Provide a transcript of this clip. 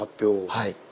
はい。